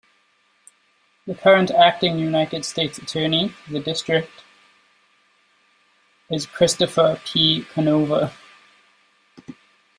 The current Acting United States Attorney for the District is Christopher P. Canova.